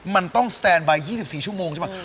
มันต้องสแตนบาย๒๔ชั่วโมงใช่ป่ะ